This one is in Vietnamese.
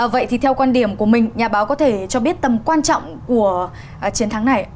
vậy thì theo quan điểm của mình nhà báo có thể cho biết tầm quan trọng của chiến thắng này ạ